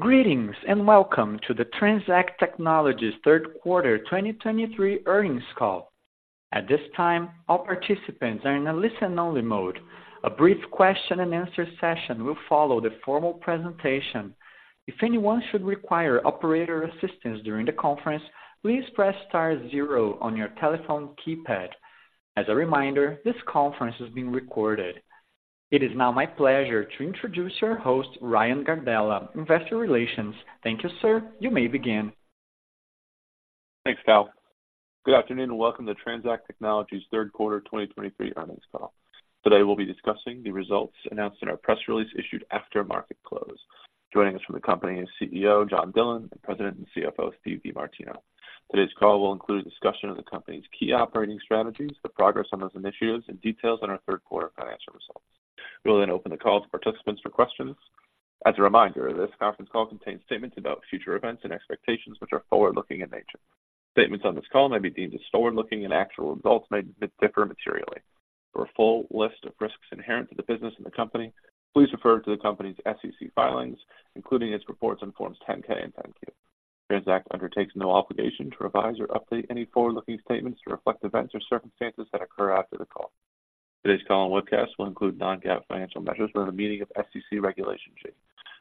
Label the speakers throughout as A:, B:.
A: Greetings, and welcome to the TransAct Technologies Q3 2023 earnings call. At this time, all participants are in a listen-only mode. A brief question and answer session will follow the formal presentation. If anyone should require operator assistance during the conference, please press star zero on your telephone keypad. As a reminder, this conference is being recorded. It is now my pleasure to introduce your host, Ryan Gardella, Investor Relations. Thank you, sir. You may begin.
B: Thanks, Cal. Good afternoon, and welcome to TransAct Technologies Q3 2023 earnings call. Today, we'll be discussing the results announced in our press release issued after market close. Joining us from the company is CEO, John Dillon, and President and CFO, Steve DeMartino. Today's call will include a discussion of the company's key operating strategies, the progress on those initiatives, and details on our Q3 financial results. We will then open the call to participants for questions. As a reminder, this conference call contains statements about future events and expectations, which are forward-looking in nature. Statements on this call may be deemed as forward-looking, and actual results may differ materially. For a full list of risks inherent to the business and the company, please refer to the company's SEC filings, including its reports on forms 10-K and 10-Q. TransAct undertakes no obligation to revise or update any forward-looking statements to reflect events or circumstances that occur after the call. Today's call and webcast will include non-GAAP financial measures within the meaning of SEC Regulation G.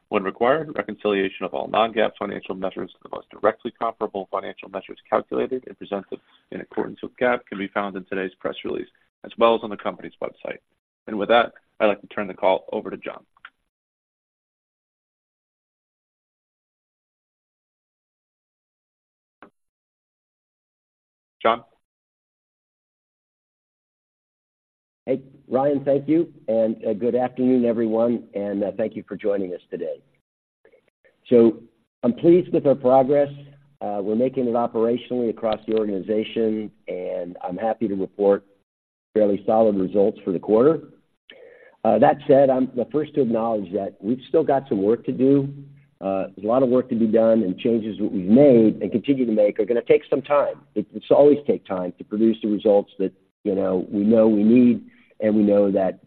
B: When required, reconciliation of all non-GAAP financial measures are the most directly comparable financial measures calculated and presented in accordance with GAAP can be found in today's press release, as well as on the company's website. And with that, I'd like to turn the call over to John. John?
C: Hey, Ryan, thank you, and good afternoon, everyone, and thank you for joining us today. So I'm pleased with our progress. We're making it operationally across the organization, and I'm happy to report fairly solid results for the quarter. That said, I'm the first to acknowledge that we've still got some work to do. There's a lot of work to be done, and changes that we've made and continue to make are gonna take some time. It's always take time to produce the results that, you know, we know we need, and we know that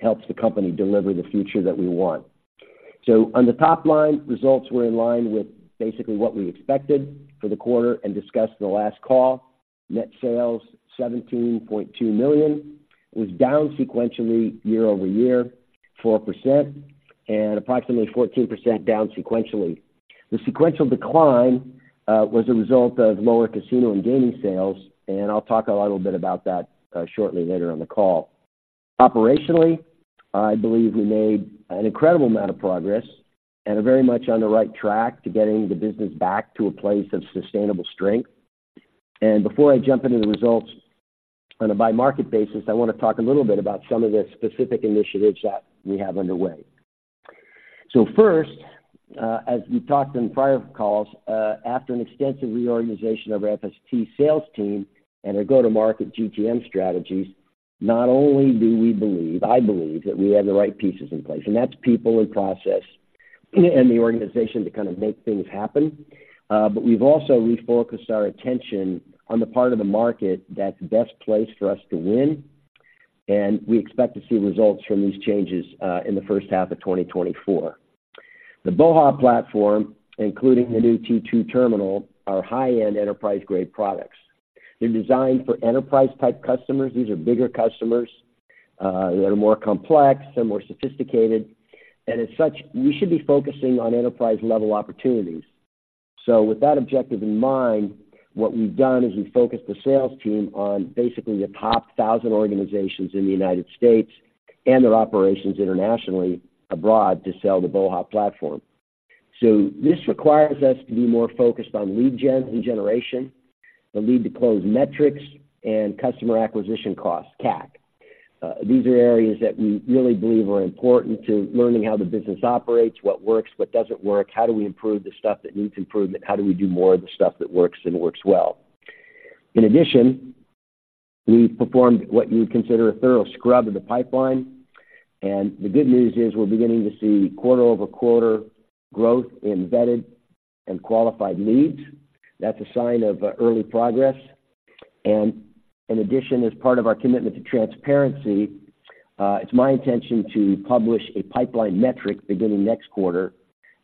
C: helps the company deliver the future that we want. So on the top line, results were in line with basically what we expected for the quarter and discussed in the last call. Net sales, $17.2 million, was down sequentially year-over-year, 4%, and approximately 14% down sequentially. The sequential decline was a result of lower casino and gaming sales, and I'll talk a little bit about that shortly later on the call. Operationally, I believe we made an incredible amount of progress and are very much on the right track to getting the business back to a place of sustainable strength. And before I jump into the results on a by market basis, I wanna talk a little bit about some of the specific initiatives that we have underway. So first, as we talked on prior calls, after an extensive reorganization of our FST sales team and our go-to-market GTM strategies, not only do we believe, I believe, that we have the right pieces in place, and that's people and process, and the organization to kind of make things happen. But we've also refocused our attention on the part of the market that's best placed for us to win, and we expect to see results from these changes, in the H1 of 2024. The BOHA! Platform, including the new T2 terminal, are high-end enterprise-grade products. They're designed for enterprise-type customers. These are bigger customers, that are more complex and more sophisticated, and as such, we should be focusing on enterprise-level opportunities. So with that objective in mind, what we've done is we've focused the sales team on basically the top 1,000 organizations in the United States and their operations internationally abroad to sell the BOHA! Platform. So this requires us to be more focused on lead gen and generation, the lead to close metrics, and customer acquisition costs, CAC. These are areas that we really believe are important to learning how the business operates, what works, what doesn't work, how do we improve the stuff that needs improvement? How do we do more of the stuff that works and works well? In addition, we've performed what you would consider a thorough scrub of the pipeline, and the good news is we're beginning to see quarter-over-quarter growth in vetted and qualified leads. That's a sign of early progress. In addition, as part of our commitment to transparency, it's my intention to publish a pipeline metric beginning next quarter,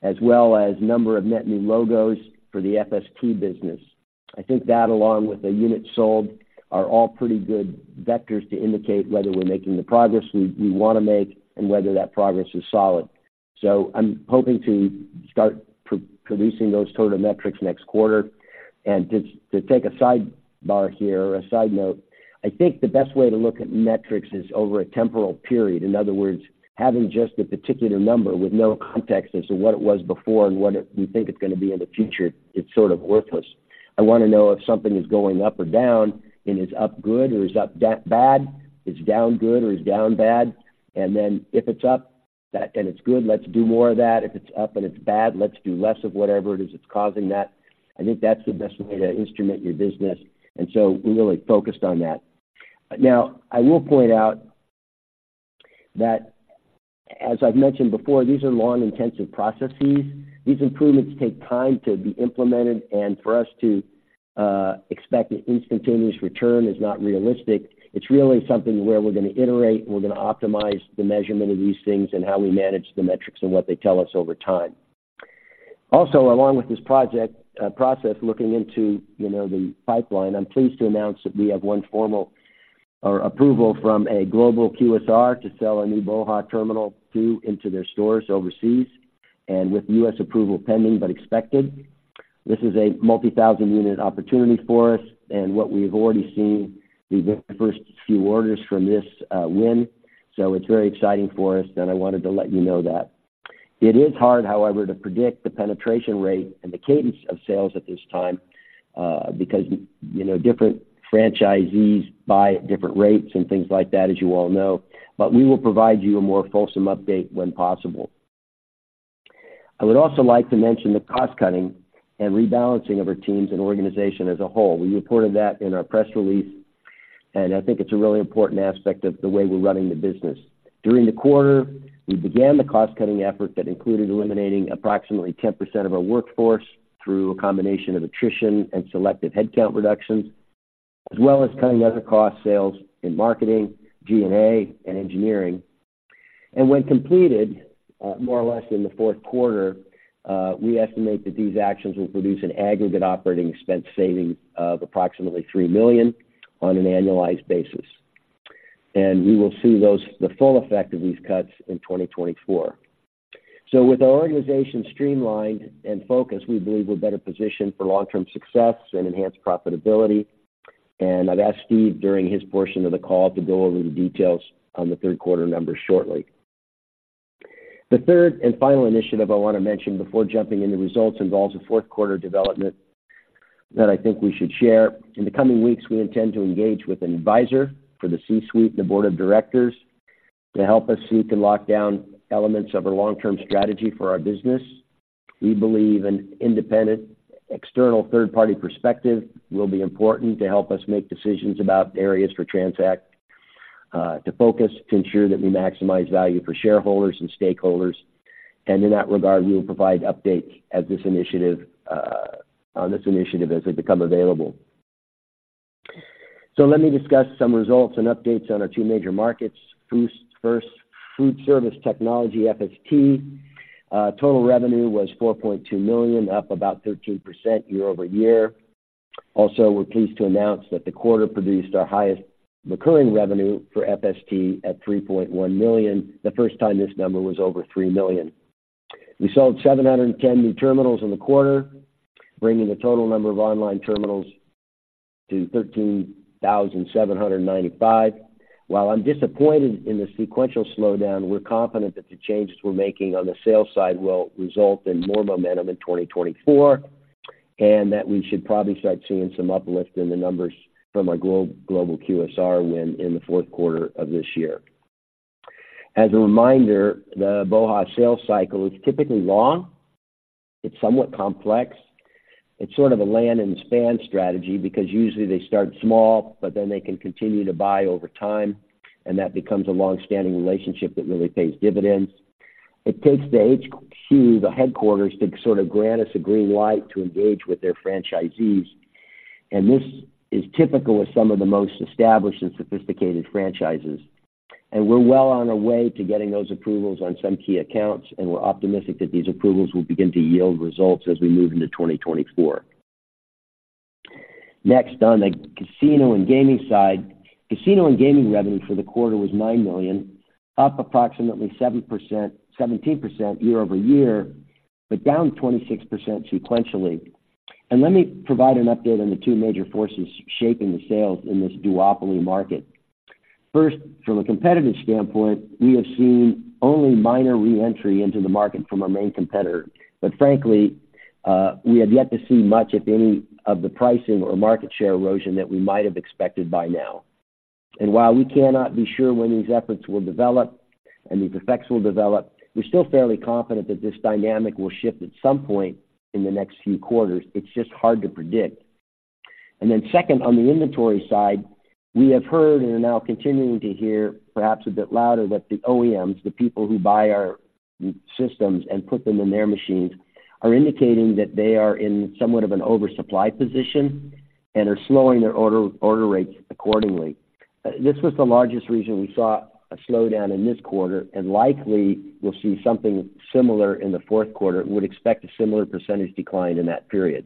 C: as well as number of net new logos for the FST business. I think that, along with the units sold, are all pretty good vectors to indicate whether we're making the progress we wanna make and whether that progress is solid. So I'm hoping to start providing those total metrics next quarter. Just to take a sidebar here or a side note, I think the best way to look at metrics is over a temporal period. In other words, having just a particular number with no context as to what it was before and what we think it's gonna be in the future, it's sort of worthless. I wanna know if something is going up or down, and is up good or is up down bad? Is down good or is down bad? And then if it's up and it's good, let's do more of that. If it's up and it's bad, let's do less of whatever it is that's causing that. I think that's the best way to instrument your business, and so we're really focused on that. Now, I will point out that, as I've mentioned before, these are long, intensive processes. These improvements take time to be implemented and for us to expect an instantaneous return is not realistic. It's really something where we're going to iterate, we're going to optimize the measurement of these things and how we manage the metrics and what they tell us over time. Also, along with this project, process, looking into, you know, the pipeline, I'm pleased to announce that we have formal approval from a global QSR to sell our new BOHA! Terminal 2 into their stores overseas, and with U.S. approval pending but expected. This is a multi-thousand unit opportunity for us and what we've already seen, the very first few orders from this win. So it's very exciting for us, and I wanted to let you know that. It is hard, however, to predict the penetration rate and the cadence of sales at this time, because, you know, different franchisees buy at different rates and things like that, as you all know. But we will provide you a more fulsome update when possible. I would also like to mention the cost cutting and rebalancing of our teams and organization as a whole. We reported that in our press release, and I think it's a really important aspect of the way we're running the business. During the quarter, we began the cost-cutting effort that included eliminating approximately 10% of our workforce through a combination of attrition and selective headcount reductions, as well as cutting other costs in sales, marketing, G&A, and engineering. When completed, more or less in the Q4, we estimate that these actions will produce an aggregate operating expense saving of approximately $3 million on an annualized basis. We will see the full effect of these cuts in 2024. So with our organization streamlined and focused, we believe we're better positioned for long-term success and enhanced profitability. I'd ask Steve, during his portion of the call, to go over the details on the Q3 numbers shortly. The third and final initiative I want to mention before jumping into results involves a Q4 development that I think we should share. In the coming weeks, we intend to engage with an advisor for the C-suite and the board of directors, to help us seek and lock down elements of our long-term strategy for our business. We believe an independent, external third-party perspective will be important to help us make decisions about areas for TransAct to focus, to ensure that we maximize value for shareholders and stakeholders. In that regard, we will provide update on this initiative as they become available. Let me discuss some results and updates on our two major markets. First, Food Service Technology, FST. Total revenue was $4.2 million, up about 13% year-over-year. Also, we're pleased to announce that the quarter produced our highest recurring revenue for FST at $3.1 million, the first time this number was over $3 million. We sold 710 new terminals in the quarter, bringing the total number of online terminals to 13,795. While I'm disappointed in the sequential slowdown, we're confident that the changes we're making on the sales side will result in more momentum in 2024, and that we should probably start seeing some uplift in the numbers from our global QSR win in the Q4 of this year. As a reminder, the BOHA! sales cycle is typically long, it's somewhat complex. It's sort of a land and span strategy, because usually they start small, but then they can continue to buy over time, and that becomes a long-standing relationship that really pays dividends. It takes the HQ, the headquarters, to sort of grant us a green light to engage with their franchisees. And this is typical with some of the most established and sophisticated franchises. And we're well on our way to getting those approvals on some key accounts, and we're optimistic that these approvals will begin to yield results as we move into 2024. Next, on the casino and gaming side. Casino and gaming revenue for the quarter was $9 million, up approximately 7%, 17% year-over-year, but down 26% sequentially. And let me provide an update on the two major forces shaping the sales in this duopoly market. First, from a competitive standpoint, we have seen only minor reentry into the market from our main competitor, but frankly, we have yet to see much, if any, of the pricing or market share erosion that we might have expected by now. And while we cannot be sure when these efforts will develop and these effects will develop, we're still fairly confident that this dynamic will shift at some point in the next few quarters. It's just hard to predict. And then second, on the inventory side, we have heard and are now continuing to hear, perhaps a bit louder, that the OEMs, the people who buy our systems and put them in their machines, are indicating that they are in somewhat of an oversupply position and are slowing their order, order rates accordingly. This was the largest reason we saw a slowdown in this quarter, and likely we'll see something similar in the Q4. We would expect a similar percentage decline in that period.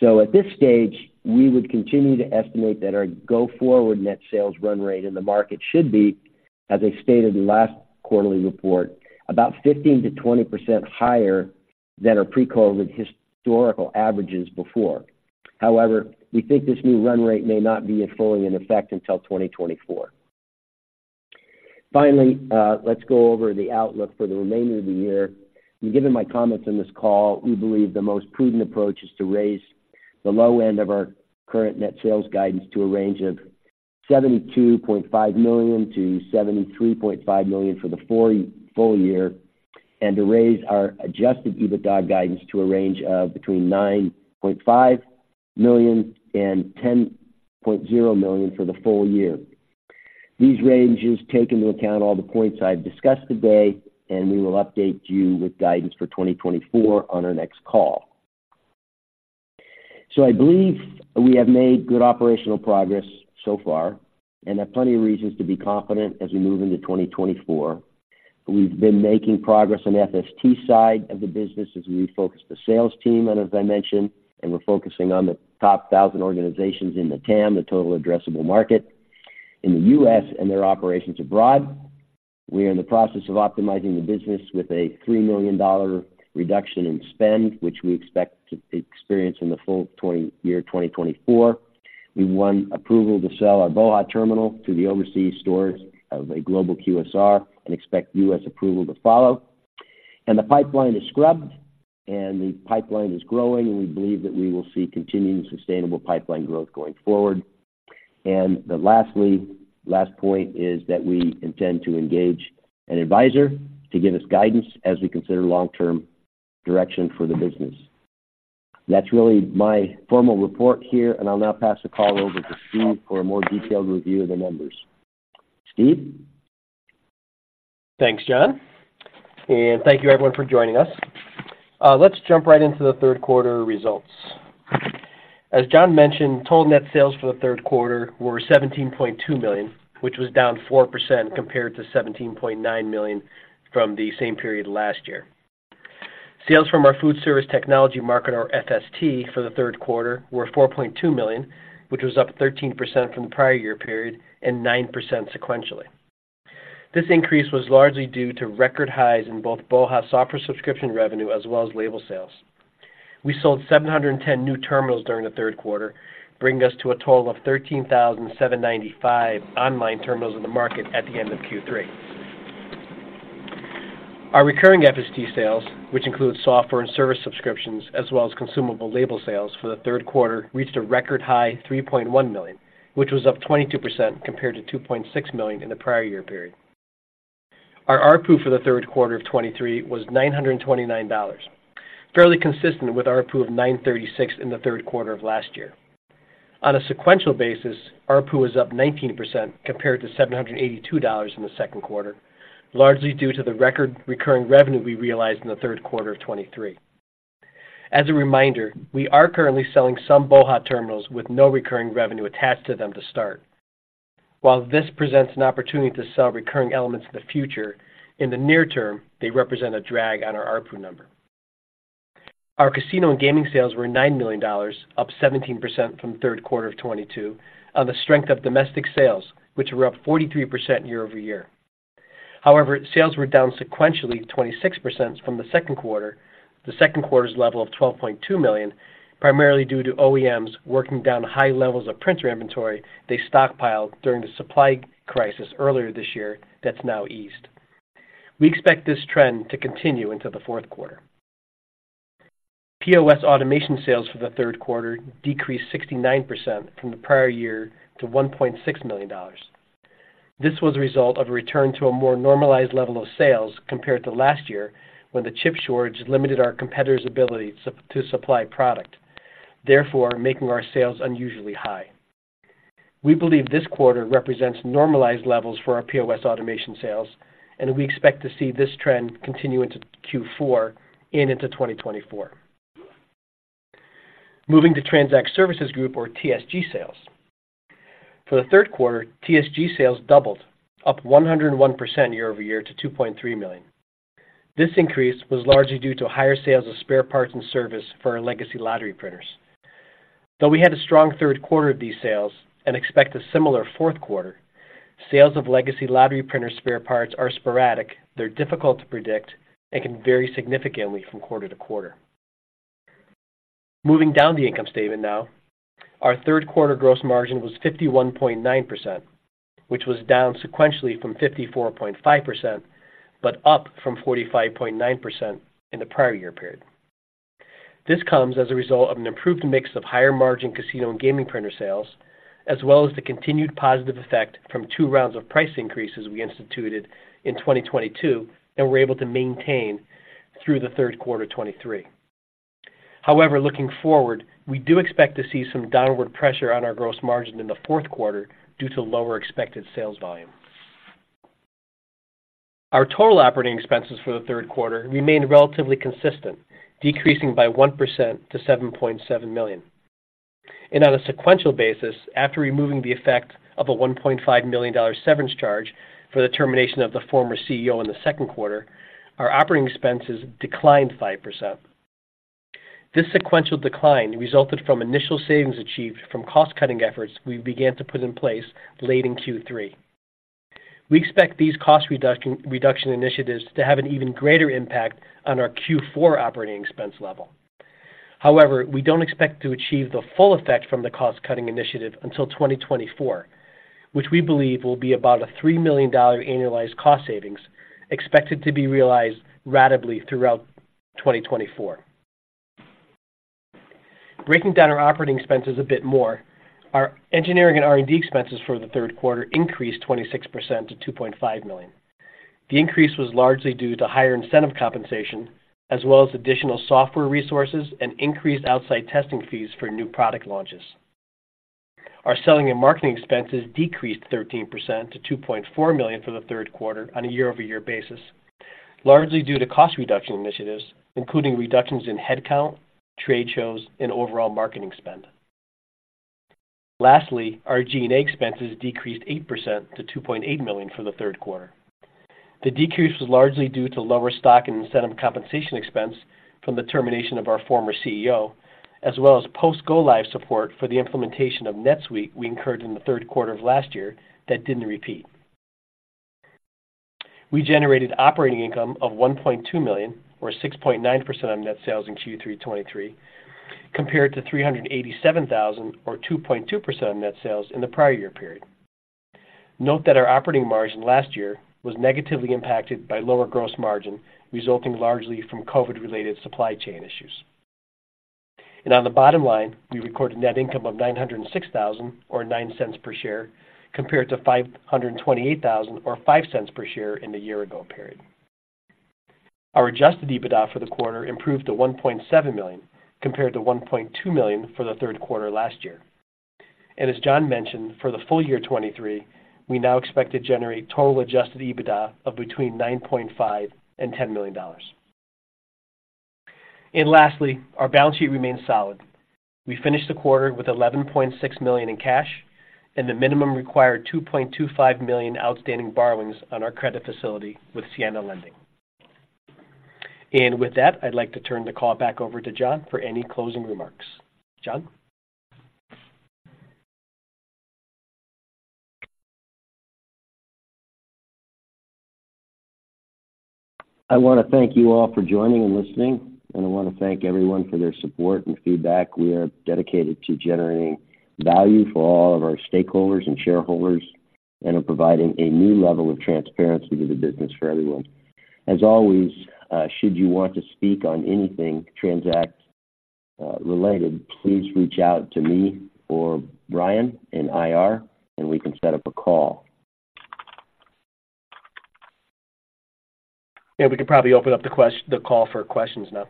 C: So at this stage, we would continue to estimate that our go-forward net sales run rate in the market should be, as I stated in the last quarterly report, about 15%-20% higher than our pre-COVID historical averages before. However, we think this new run rate may not be fully in effect until 2024. Finally, let's go over the outlook for the remainder of the year. Given my comments on this call, we believe the most prudent approach is to raise the low end of our current net sales guidance to a range of $72.5 million-$73.5 million for the full year, and to raise our adjusted EBITDA guidance to a range of between $9.5 million and $10.0 million for the full year. These ranges take into account all the points I've discussed today, and we will update you with guidance for 2024 on our next call. I believe we have made good operational progress so far and have plenty of reasons to be confident as we move into 2024. We've been making progress on the FST side of the business as we refocus the sales team, and as I mentioned, and we're focusing on the top 1,000 organizations in the TAM, the Total Addressable Market, in the U.S. and their operations abroad. We are in the process of optimizing the business with a $3 million reduction in spend, which we expect to experience in the full year, 2024. We won approval to sell our BOHA! Terminal to the overseas stores of a global QSR and expect U.S. approval to follow. The pipeline is scrubbed, and the pipeline is growing, and we believe that we will see continuing sustainable pipeline growth going forward. Lastly, the last point is that we intend to engage an advisor to give us guidance as we consider long-term direction for the business. That's really my formal report here, and I'll now pass the call over to Steve for a more detailed review of the numbers. Steve?
D: Thanks, John, and thank you, everyone, for joining us. Let's jump right into the Q3 results. As John mentioned, total net sales for the Q3 were $17.2 million, which was down 4% compared to $17.9 million from the same period last year. Sales from our food service technology market, or FST, for the Q3 were $4.2 million, which was up 13% from the prior year period and 9% sequentially. This increase was largely due to record highs in both BOHA! Software subscription revenue as well as label sales. We sold 710 new terminals during the Q3, bringing us to a total of 13,795 online terminals in the market at the end of Q3. Our recurring FST sales, which includes software and service subscriptions, as well as consumable label sales for the Q3, reached a record high $3.1 million, which was up 22% compared to $2.6 million in the prior year period. Our ARPU for the Q3 of 2023 was $929, fairly consistent with ARPU of $936 in the Q3 of last year. On a sequential basis, ARPU is up 19% compared to $782 in the Q2, largely due to the record recurring revenue we realized in the Q3 of 2023. As a reminder, we are currently selling some BOHA! Terminals with no recurring revenue attached to them to start. While this presents an opportunity to sell recurring elements in the future, in the near term, they represent a drag on our ARPU number. Our casino and gaming sales were $9 million, up 17% from Q3 of 2022, on the strength of domestic sales, which were up 43% year-over-year. However, sales were down sequentially 26% from the Q2, the Q2's level of $12.2 million, primarily due to OEMs working down high levels of printer inventory they stockpiled during the supply crisis earlier this year that's now eased. We expect this trend to continue into the Q4. POS automation sales for the Q3 decreased 69% from the prior year to $1.6 million. This was a result of a return to a more normalized level of sales compared to last year, when the chip shortage limited our competitors' ability to supply product, therefore making our sales unusually high. We believe this quarter represents normalized levels for our POS automation sales, and we expect to see this trend continue into Q4 and into 2024. Moving to TransAct Services Group, or TSG, sales. For the Q3, TSG sales doubled, up 101% year-over-year to $2.3 million. This increase was largely due to higher sales of spare parts and service for our legacy lottery printers. Though we had a strong Q3 of these sales and expect a similar Q4, sales of legacy lottery printer spare parts are sporadic, they're difficult to predict and can vary significantly from quarter to quarter. Moving down the income statement now. Our Q3 gross margin was 51.9%, which was down sequentially from 54.5%, but up from 45.9% in the prior year period. This comes as a result of an improved mix of higher-margin casino and gaming printer sales, as well as the continued positive effect from two rounds of price increases we instituted in 2022 and were able to maintain through the Q3 of 2023. However, looking forward, we do expect to see some downward pressure on our gross margin in the Q4 due to lower expected sales volume. Our total operating expenses for the Q3 remained relatively consistent, decreasing by 1% to $7.7 million. On a sequential basis, after removing the effect of a $1.5 million severance charge for the termination of the former CEO in the Q2, our operating expenses declined 5%. This sequential decline resulted from initial savings achieved from cost-cutting efforts we began to put in place late in Q3. We expect these cost reduction initiatives to have an even greater impact on our Q4 operating expense level. However, we don't expect to achieve the full effect from the cost-cutting initiative until 2024, which we believe will be about a $3 million annualized cost savings, expected to be realized ratably throughout 2024. Breaking down our operating expenses a bit more. Our engineering and R&D expenses for the Q3 increased 26% to $2.5 million. The increase was largely due to higher incentive compensation, as well as additional software resources and increased outside testing fees for new product launches. Our selling and marketing expenses decreased 13% to $2.4 million for the Q3 on a year-over-year basis, largely due to cost reduction initiatives, including reductions in headcount, trade shows, and overall marketing spend. Lastly, our G&A expenses decreased 8% to $2.8 million for the Q3. The decrease was largely due to lower stock and incentive compensation expense from the termination of our former CEO, as well as post-go-live support for the implementation of NetSuite we incurred in the Q3 of last year that didn't repeat. We generated operating income of $1.2 million, or 6.9% on net sales in Q3 2023, compared to $387,000 or 2.2% of net sales in the prior year period. Note that our operating margin last year was negatively impacted by lower gross margin, resulting largely from COVID-related supply chain issues. On the bottom line, we recorded net income of $906,000, or $0.09 per share, compared to $528,000 or $0.05 per share in the year ago period. Our adjusted EBITDA for the quarter improved to $1.7 million, compared to $1.2 million for the Q3 last year. And as John mentioned, for the full year 2023, we now expect to generate total adjusted EBITDA of between $9.5 million and $10 million. And lastly, our balance sheet remains solid. We finished the quarter with $11.6 million in cash and the minimum required $2.25 million outstanding borrowings on our credit facility with Siena Lending. And with that, I'd like to turn the call back over to John for any closing remarks. John?
C: I want to thank you all for joining and listening, and I want to thank everyone for their support and feedback. We are dedicated to generating value for all of our stakeholders and shareholders and are providing a new level of transparency to the business for everyone. As always, should you want to speak on anything TransAct related, please reach out to me or Ryan in IR, and we can set up a call.
D: Yeah, we can probably open up the call for questions now.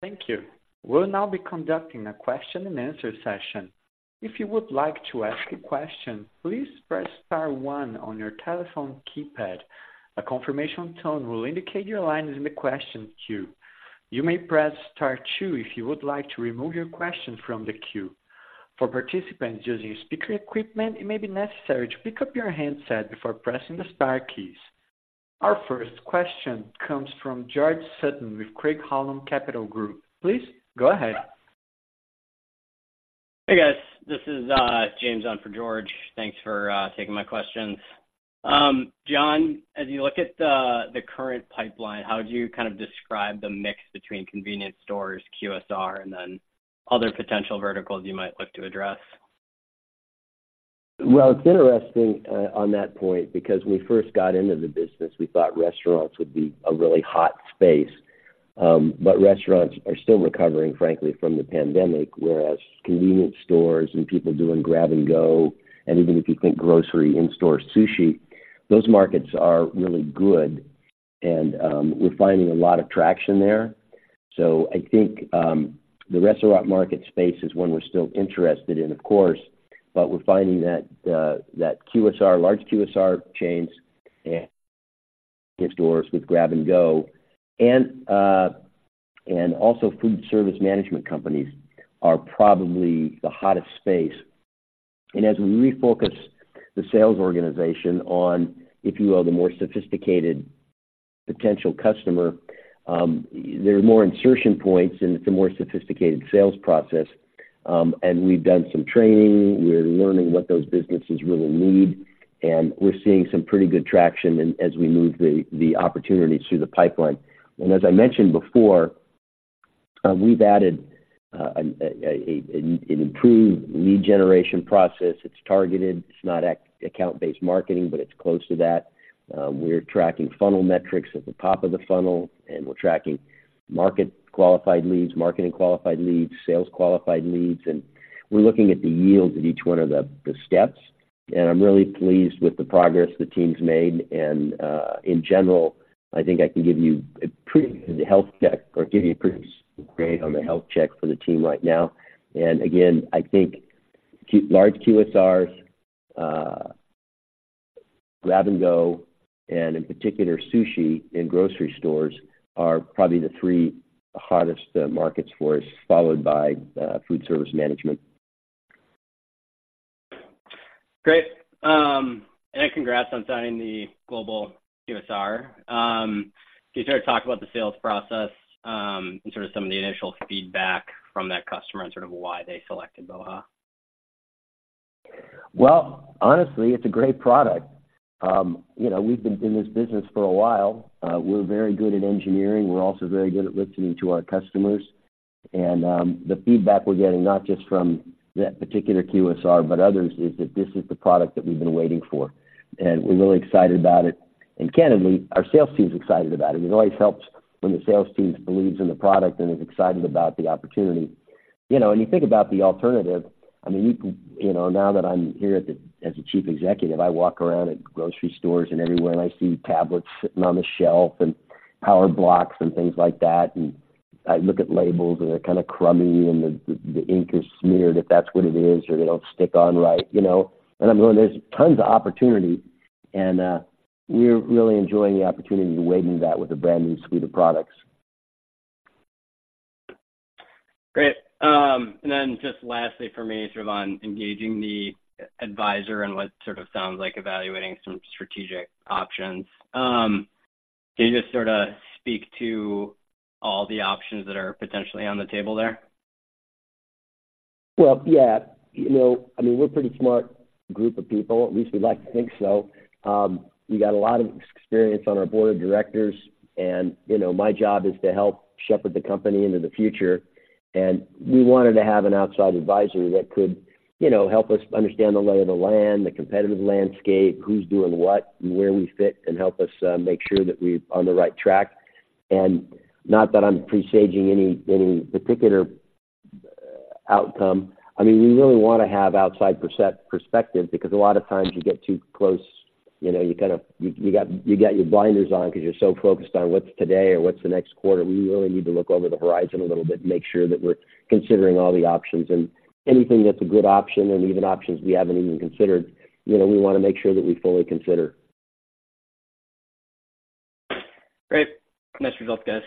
A: Thank you. We'll now be conducting a question and answer session. If you would like to ask a question, please press star one on your telephone keypad. A confirmation tone will indicate your line is in the question queue. You may press star two if you would like to remove your question from the queue. For participants using speaker equipment, it may be necessary to pick up your handset before pressing the star keys. Our first question comes from George Sutton with Craig-Hallum Capital Group. Please go ahead.
E: Hey, guys. This is James on for George. Thanks for taking my questions. John, as you look at the current pipeline, how would you kind of describe the mix between convenience stores, QSR, and then other potential verticals you might look to address?
C: Well, it's interesting, on that point, because when we first got into the business, we thought restaurants would be a really hot space. But restaurants are still recovering, frankly, from the pandemic, whereas convenience stores and people doing grab and go, and even if you think grocery in-store sushi, those markets are really good, and we're finding a lot of traction there. So I think, the restaurant market space is one we're still interested in, of course, but we're finding that QSR, large QSR chains and stores with grab-and-go and also food service management companies are probably the hottest space. And as we refocus the sales organization on, if you will, the more sophisticated potential customer, there are more insertion points, and it's a more sophisticated sales process. And we've done some training. We're learning what those businesses really need, and we're seeing some pretty good traction as we move the opportunities through the pipeline. And as I mentioned before, we've added an improved lead generation process. It's targeted. It's not account-based marketing, but it's close to that. We're tracking funnel metrics at the top of the funnel, and we're tracking market qualified leads, marketing qualified leads, sales qualified leads, and we're looking at the yields at each one of the steps. And I'm really pleased with the progress the team's made. And in general, I think I can give you a pretty good health check or give you a pretty great on the health check for the team right now. And again, I think large QSRs, grab-and-go, and in particular, sushi in grocery stores are probably the three hottest markets for us, followed by food service management.
E: Great. Congrats on signing the global QSR. Can you sort of talk about the sales process, and sort of some of the initial feedback from that customer and sort of why they selected BOHA!?
C: Well, honestly, it's a great product. You know, we've been in this business for a while. We're very good at engineering. We're also very good at listening to our customers. And, the feedback we're getting, not just from that particular QSR, but others, is that this is the product that we've been waiting for, and we're really excited about it. And candidly, our sales team is excited about it. It always helps when the sales team believes in the product and is excited about the opportunity.... You know, when you think about the alternative, I mean, you can, you know, now that I'm here at the, as Chief Executive, I walk around at grocery stores and everywhere, and I see tablets sitting on the shelf, and power blocks and things like that. And I look at labels, and they're kind of crummy, and the ink is smeared, if that's what it is, or they don't stick on right, you know? And I'm going, there's tons of opportunity, and we're really enjoying the opportunity to weigh into that with a brand new suite of products.
E: Great. And then just lastly, for me, sort of on engaging the advisor and what sort of sounds like evaluating some strategic options. Can you just sort of speak to all the options that are potentially on the table there?
C: Well, yeah. You know, I mean, we're a pretty smart group of people. At least we like to think so. We got a lot of experience on our board of directors, and, you know, my job is to help shepherd the company into the future. We wanted to have an outside advisory that could, you know, help us understand the lay of the land, the competitive landscape, who's doing what, and where we fit, and help us make sure that we're on the right track. Not that I'm presaging any particular outcome. I mean, we really want to have outside perspective, because a lot of times you get too close, you know, you kind of get your blinders on because you're so focused on what's today or what's the next quarter. We really need to look over the horizon a little bit, make sure that we're considering all the options. Anything that's a good option and even options we haven't even considered, you know, we want to make sure that we fully consider.
E: Great. Nice results, guys.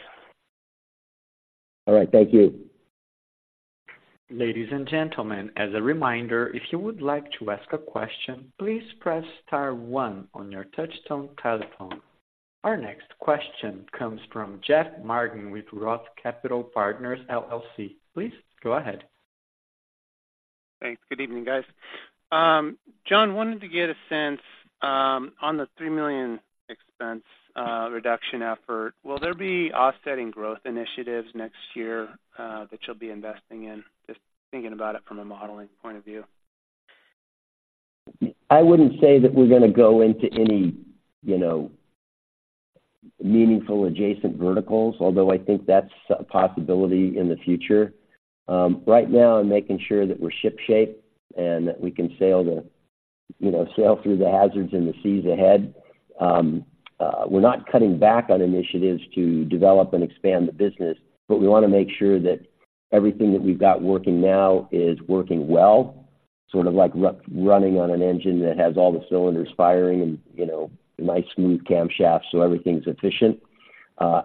C: All right, thank you.
A: Ladies and gentlemen, as a reminder, if you would like to ask a question, please press star one on your touchtone telephone. Our next question comes from Jeff Martin with ROTH Capital Partners LLC. Please go ahead.
F: Thanks. Good evening, guys. John, wanted to get a sense on the $3 million expense reduction effort. Will there be offsetting growth initiatives next year that you'll be investing in? Just thinking about it from a modeling point of view.
C: I wouldn't say that we're going to go into any, you know, meaningful adjacent verticals, although I think that's a possibility in the future. Right now, I'm making sure that we're ship shape and that we can sail the, you know, sail through the hazards and the seas ahead. We're not cutting back on initiatives to develop and expand the business, but we want to make sure that everything that we've got working now is working well, sort of like running on an engine that has all the cylinders firing and, you know, nice, smooth camshaft, so everything's efficient.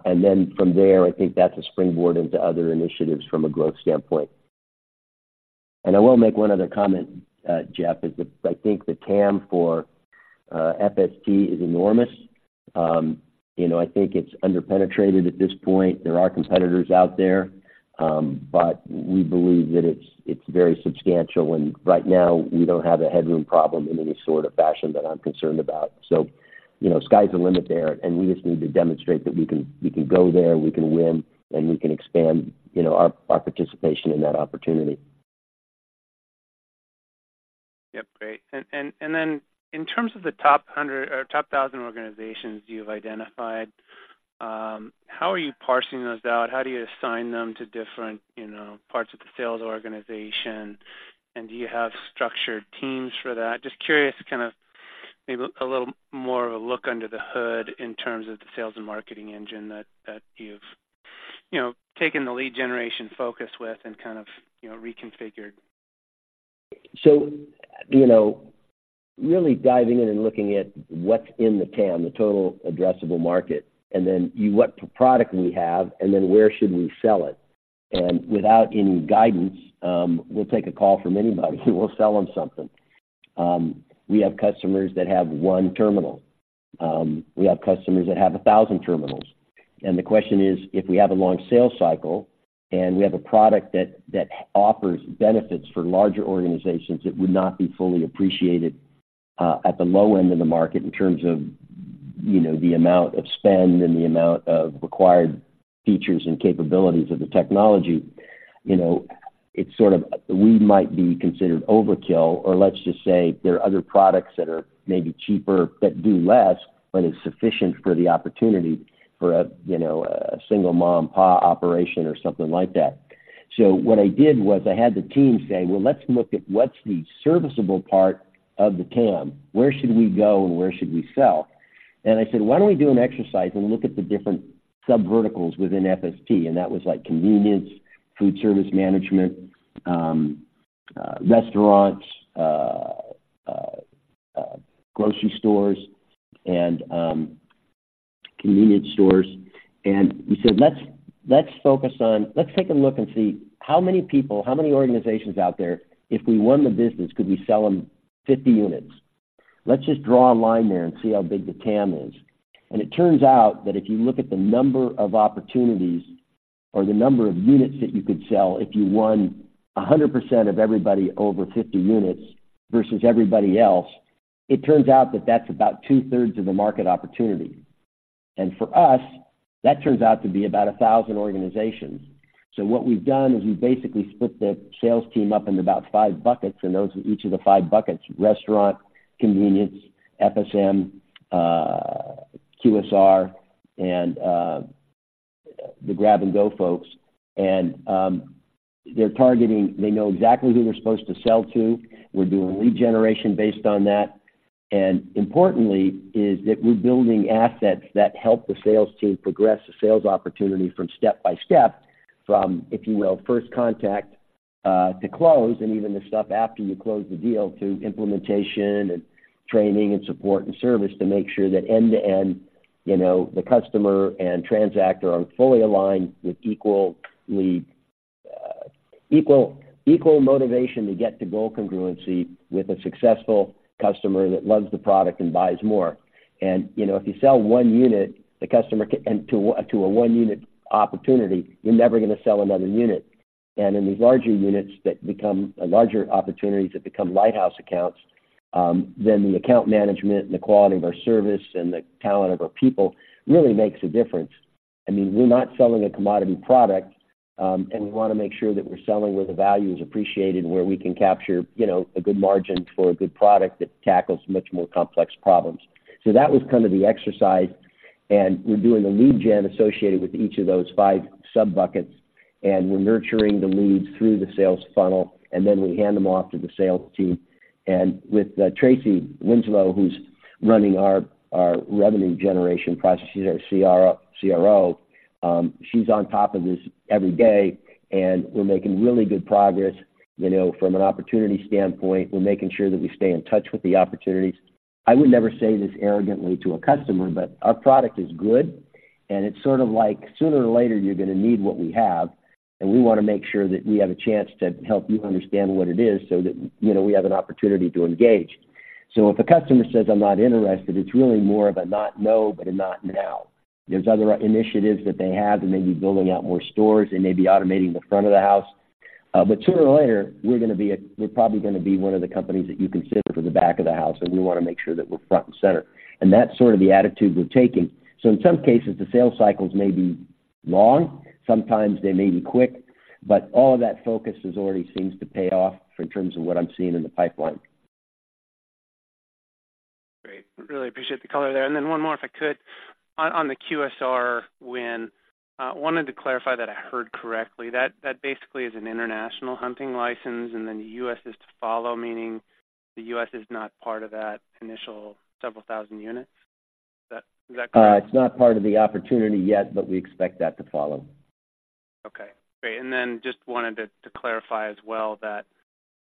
C: And then from there, I think that's a springboard into other initiatives from a growth standpoint. And I will make one other comment, Jeff, is that I think the TAM for FST is enormous. You know, I think it's underpenetrated at this point. There are competitors out there, but we believe that it's very substantial, and right now we don't have a headroom problem in any sort of fashion that I'm concerned about. So, you know, sky's the limit there, and we just need to demonstrate that we can go there, we can win, and we can expand, you know, our participation in that opportunity.
F: Yep, great. And then in terms of the top 100 or top 1,000 organizations you've identified, how are you parsing those out? How do you assign them to different, you know, parts of the sales organization? And do you have structured teams for that? Just curious, to kind of maybe a little more of a look under the hood in terms of the sales and marketing engine that, that you've, you know, taken the lead generation focus with and kind of, you know, reconfigured.
C: So, you know, really diving in and looking at what's in the TAM, the total addressable market, and then what product we have and then where should we sell it? And without any guidance, we'll take a call from anybody. We'll sell them something. We have customers that have one terminal. We have customers that have 1,000 terminals. And the question is, if we have a long sales cycle and we have a product that offers benefits for larger organizations, it would not be fully appreciated at the low end of the market in terms of, you know, the amount of spend and the amount of required features and capabilities of the technology. You know, it's sort of, we might be considered overkill, or let's just say there are other products that are maybe cheaper, that do less, but it's sufficient for the opportunity for a, you know, a single mom-and-pop operation or something like that. So what I did was I had the team say, "Well, let's look at what's the serviceable part of the TAM. Where should we go and where should we sell?" And I said: "Why don't we do an exercise and look at the different subverticals within FST?" And that was like convenience, food service management, restaurants, grocery stores, and convenience stores. And we said, Let's, let's focus on-- let's take a look and see how many people, how many organizations out there, if we won the business, could we sell them 50 units? Let's just draw a line there and see how big the TAM is. And it turns out that if you look at the number of opportunities or the number of units that you could sell, if you won 100% of everybody over 50 units versus everybody else, it turns out that that's about 2/3 of the market opportunity. And for us, that turns out to be about 1,000 organizations. So what we've done is we've basically split the sales team up into about five buckets, and those, each of the five buckets, restaurant, convenience, FSM, QSR and the Grab & Go folks. And they're targeting, they know exactly who they're supposed to sell to. We're doing lead generation based on that. Importantly, is that we're building assets that help the sales team progress the sales opportunity from step by step, from, if you will, first contact, to close, and even the stuff after you close the deal, to implementation and training and support and service, to make sure that end-to-end, you know, the customer and TransAct are fully aligned with equally, equal, equal motivation to get to goal congruency with a successful customer that loves the product and buys more. And, you know, if you sell one unit, the customer can-- and to a, to a one-unit opportunity, you're never going to sell another unit. And in the larger units that become a larger opportunity, that become lighthouse accounts, then the account management and the quality of our service and the talent of our people really makes a difference. I mean, we're not selling a commodity product, and we want to make sure that we're selling where the value is appreciated, and where we can capture, you know, a good margin for a good product that tackles much more complex problems. So that was kind of the exercise, and we're doing a lead gen associated with each of those five sub-buckets, and we're nurturing the leads through the sales funnel, and then we hand them off to the sales team. And with Tracey Winslow, who's running our revenue generation process, she's our CRO. She's on top of this every day, and we're making really good progress. You know, from an opportunity standpoint, we're making sure that we stay in touch with the opportunities. I would never say this arrogantly to a customer, but our product is good, and it's sort of like, sooner or later, you're going to need what we have, and we want to make sure that we have a chance to help you understand what it is so that, you know, we have an opportunity to engage. So if a customer says, "I'm not interested," it's really more of a not no, but a not now. There's other initiatives that they have. They may be building out more stores, they may be automating the front of the house, but sooner or later, we're probably gonna be one of the companies that you consider for the back of the house, and we want to make sure that we're front and center. And that's sort of the attitude we're taking. In some cases, the sales cycles may be long, sometimes they may be quick, but all of that focus already seems to pay off in terms of what I'm seeing in the pipeline.
F: Great. Really appreciate the color there. And then one more, if I could. On the QSR win, wanted to clarify that I heard correctly. That basically is an international hunting license, and then the U.S. is to follow, meaning the U.S. is not part of that initial several thousand units? Is that correct?
C: It's not part of the opportunity yet, but we expect that to follow.
F: Okay, great. And then just wanted to clarify as well that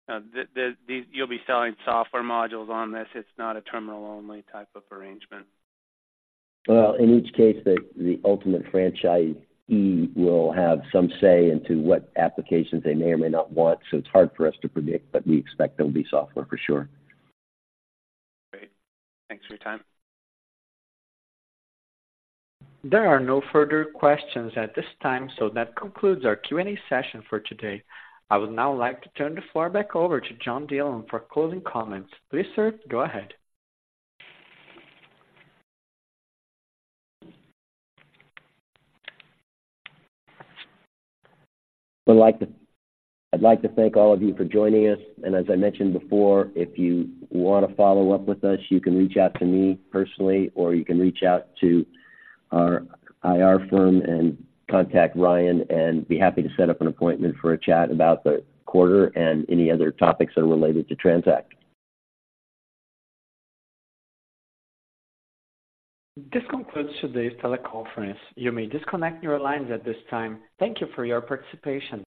F: you'll be selling software modules on this. It's not a terminal-only type of arrangement.
C: Well, in each case, the ultimate franchisee will have some say into what applications they may or may not want, so it's hard for us to predict, but we expect there'll be software for sure.
F: Great. Thanks for your time.
A: There are no further questions at this time, so that concludes our Q&A session for today. I would now like to turn the floor back over to John Dillon for closing comments. Please, sir, go ahead.
C: I'd like to, I'd like to thank all of you for joining us. As I mentioned before, if you want to follow up with us, you can reach out to me personally, or you can reach out to our IR firm and contact Ryan, and be happy to set up an appointment for a chat about the quarter and any other topics that are related to TransAct.
A: This concludes today's teleconference. You may disconnect your lines at this time. Thank you for your participation.